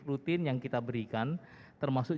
rutin yang kita berikan termasuk